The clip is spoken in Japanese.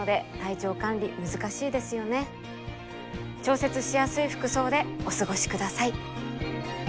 調節しやすい服装でお過ごしください。